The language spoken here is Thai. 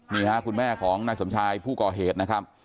นี่ค่ะคุณแม่ของนายสมชายผู้ก่อเหตุนะครับ